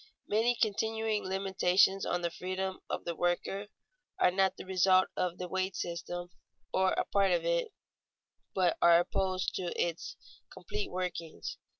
_Many continuing limitations on the freedom of the worker are not the results of the wage system or a part of it, but are opposed to its complete workings.